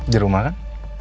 di rumah kan